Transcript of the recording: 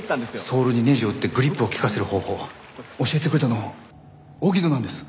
ソールにネジを打ってグリップを利かせる方法教えてくれたの荻野なんです。